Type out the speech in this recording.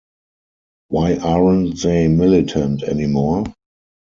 Why aren't they militant anymore?